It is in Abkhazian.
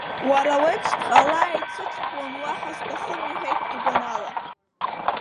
Уара уеиԥш дҟалааит сыҷкәын, уаҳа сҭахым, – иҳәеит игәанала.